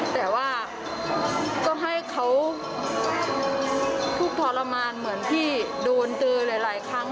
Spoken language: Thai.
แต่ว่าก็ให้เขาทุกข์ทรมานเหมือนที่โดนตือหลายครั้ง